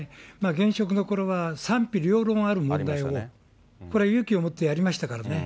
現職のころは、賛否両論ある問題を、これ、勇気を持ってやりましたからね。